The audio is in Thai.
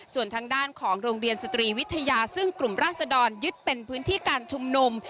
ส่วนทางด้านของโรงเรียนสตรีวิทยาซึ่งกลุ่มราศดรยึดเป็นพื้นที่การชุมนุม